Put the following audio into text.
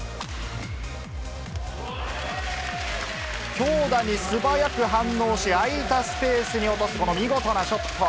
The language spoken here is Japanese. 強打に素早く反応し、空いたスペースに落とすこの見事なショット。